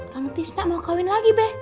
kang tisna mau kawin lagi be